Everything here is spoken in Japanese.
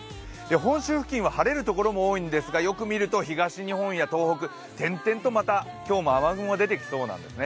本州付近は晴れるところも多いんですが、よく見ると東日本や東北、点々と今日も雨雲が出てきそうなんですね。